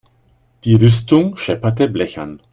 Die Rüstung schepperte blechern.